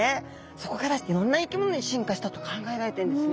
そこからいろんな生き物に進化したと考えられているんですね。